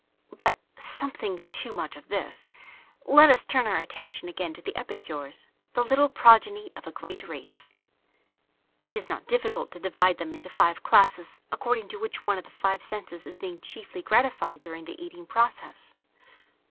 But, "something too much of this." Let us turn our attention again to the epicures, the little progeny of a great race. It is not difficult to divide them into five classes according to which one of the five senses is being chiefly gratified during the eating process.